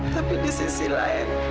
tapi di sisi lain